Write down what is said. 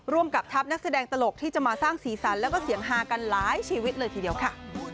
กับทัพนักแสดงตลกที่จะมาสร้างสีสันแล้วก็เสียงฮากันหลายชีวิตเลยทีเดียวค่ะ